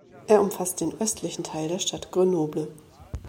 Er umfasst den östlichen Teil der Stadt Grenoble.